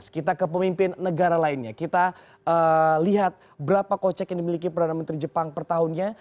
kita ke pemimpin negara lainnya kita lihat berapa kocek yang dimiliki perdana menteri jepang per tahunnya